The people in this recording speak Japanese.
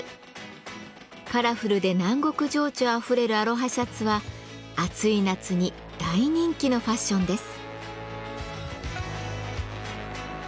カラフルで南国情緒あふれるアロハシャツは暑い夏に大人気のファッションです。